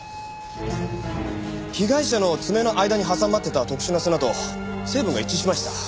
被害者の爪の間に挟まってた特殊な砂と成分が一致しました。